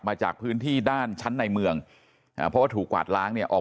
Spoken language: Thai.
มาจากพื้นที่ด้านชั้นในเมืองเพราะว่าถูกกวาดล้างเนี่ยออก